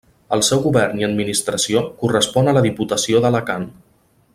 El seu govern i administració correspon a la Diputació d'Alacant.